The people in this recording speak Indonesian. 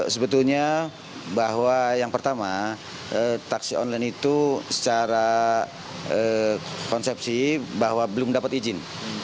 sebetulnya bahwa yang pertama taksi online itu secara konsepsi bahwa belum dapat izin